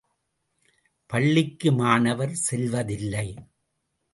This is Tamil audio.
பள்ளிக்கு மாணவர் செல்வதில்லை.